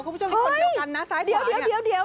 คุณผู้ชมมีคนเดียวกันนะซ้ายต่างอย่างนี้เฮ่ยเดี๋ยว